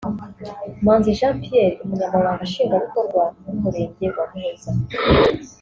Manzi Jean Pierre Umunyamabanga nshingwabikorwa w’umurenge wa Muhoza